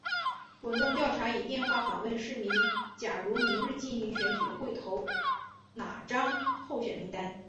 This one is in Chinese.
滚动调查以电话访问市民假如明日进行选举会投哪张候选名单。